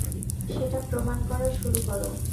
সেটা প্রমাণ করা শুরু করো!